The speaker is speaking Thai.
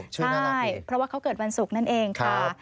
ใช่เพราะว่าเขาเกิดวันศุกร์นั่นเองค่ะ